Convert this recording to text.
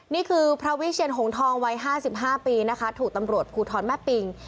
นี่คือพระวิเชียนหงทองวัย๕๕ปีนะคะถูกตำรวจภูทรแม่ปิง